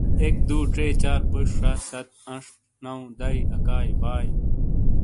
اک ۔۔دُو۔ ژے۔ چار پوش ۔شہ۔ ست انش۔ نو دائی۔ اکائی بائی۔۔۔۔